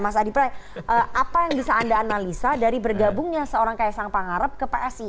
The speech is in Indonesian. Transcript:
mas adiprai apa yang bisa anda analisa dari bergabungnya seorang ksang pangarep ke psi